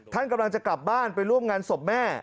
ท่านกำลังจะกลับบ้านไปร่วมงานศพแม่